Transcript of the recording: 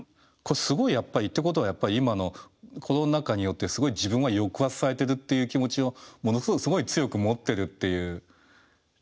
すごいやっぱり言ってることは今のコロナ禍によってすごい自分は抑圧されてるっていう気持ちをものすごくすごい強く持ってるっていうことだよね。